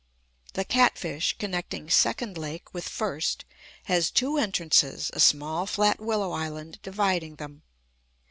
The Catfish connecting Second Lake with First, has two entrances, a small flat willow island dividing them.